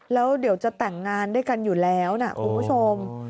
แล้วเดี๋ยวจะแต่งงานด้วยกันอยู่แล้วนะคุณผู้ชม